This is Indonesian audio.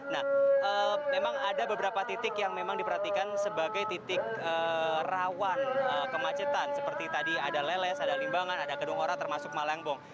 nah memang ada beberapa titik yang memang diperhatikan sebagai titik rawan kemacetan seperti tadi ada leles ada limbangan ada gedung ora termasuk malembong